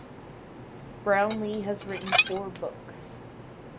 Brownlee has written four books.